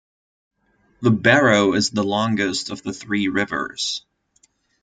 The Barrow is the longest of the three rivers.